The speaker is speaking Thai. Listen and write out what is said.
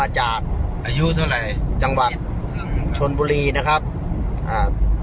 จับอายุเท่าไรจังหวัดชนบุรีนะครับอ่า